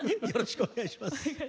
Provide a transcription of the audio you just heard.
よろしくお願いします。